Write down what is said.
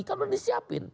kan udah disiapin